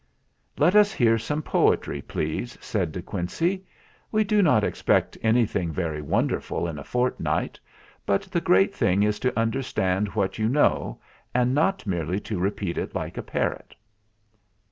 "Let us hear some poetry, please," said De Quincey. "We do not expect anything very wonderful in a fortnight; but the great thing is to understand what you know, and not merely to repeat it like a parrot."